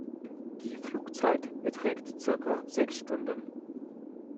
Die Flugzeit beträgt circa sechs Stunden.